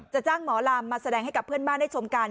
จ้างหมอลำมาแสดงให้กับเพื่อนบ้านได้ชมกัน